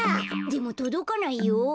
でもとどかないよ。